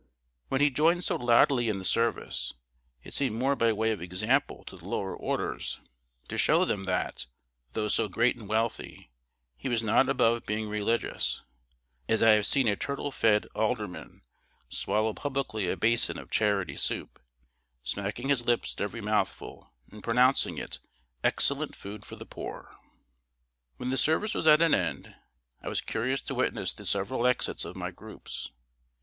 When he joined so loudly in the service, it seemed more by way of example to the lower orders, to show them that, though so great and wealthy, he was not above being religious; as I have seen a turtle fed alderman swallow publicly a basin of charity soup, smacking his lips at every mouthful and pronouncing it "excellent food for the poor." When the service was at an end, I was curious to witness the several exits of my groups.